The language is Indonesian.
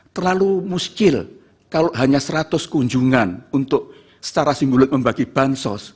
terlalu muskil kalau hanya seratus kunjungan untuk secara simbolik membagi bansos